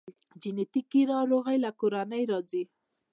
جنیټیکي ناروغۍ له کورنۍ راځي